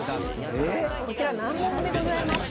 こちら難問でございます。